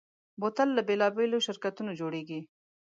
بوتل له بېلابېلو شرکتونو جوړېږي.